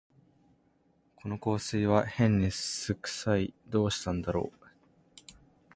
この香水はへんに酢くさい、どうしたんだろう